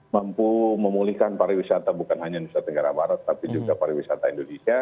mampu memulihkan pariwisata bukan hanya nusa tenggara barat tapi juga pariwisata indonesia